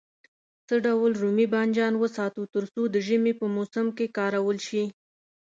څه ډول رومي بانجان وساتو تر څو د ژمي په موسم کې کارول شي.